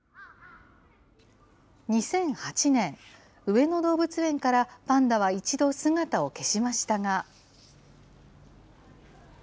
２００８年、上野動物園からパンダは一度姿を消しましたが。